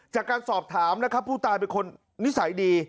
จากการสอบถามนะครับผู้ตายเป็นคนนิสัยดี